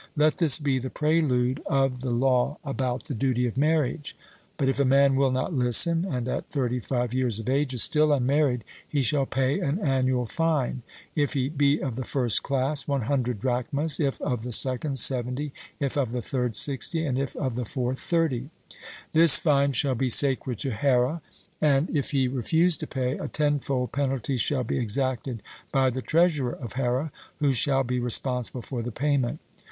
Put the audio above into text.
Let this be the prelude of the law about the duty of marriage. But if a man will not listen, and at thirty five years of age is still unmarried, he shall pay an annual fine: if he be of the first class, 100 drachmas; if of the second, 70; if of the third, 60; and if of the fourth, 30. This fine shall be sacred to Here; and if he refuse to pay, a tenfold penalty shall be exacted by the treasurer of Here, who shall be responsible for the payment.